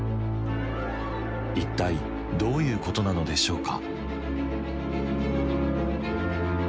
一体どういうことなのでしょうか？